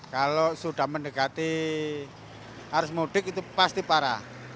kalau sudah mendekati arus mudik itu pasti parah